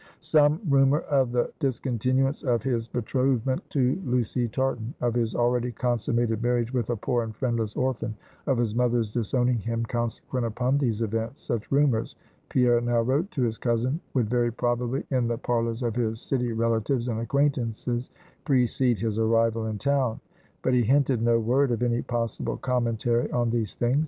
Some rumor of the discontinuance of his betrothment to Lucy Tartan; of his already consummated marriage with a poor and friendless orphan; of his mother's disowning him consequent upon these events; such rumors, Pierre now wrote to his cousin, would very probably, in the parlors of his city relatives and acquaintances, precede his arrival in town. But he hinted no word of any possible commentary on these things.